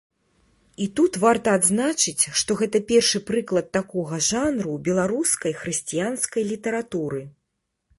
І тут варта адзначыць, што гэта першы прыклад такога жанру ў беларускай хрысціянскай літаратуры.